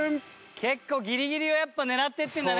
結構ギリギリをやっぱ狙っていってるんだね。